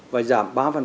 và giảm ba tiền thuế đất